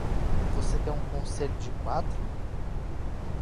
Você tem um conselho de quatro?